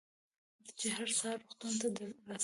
زه چې هر سهار روغتون ته رڅم.